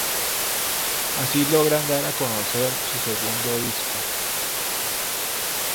Así logran dar a conocer su segundo disco.